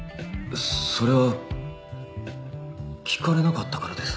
それは聞かれなかったからです。